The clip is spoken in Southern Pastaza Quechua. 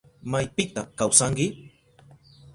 ¿Maypita kawsanki?